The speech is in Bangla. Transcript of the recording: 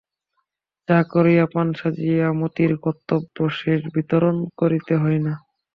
চা করিয়া, পান সাজিয়াই মতির কর্তব্য শেষ, বিতরণ করিতে হয় না।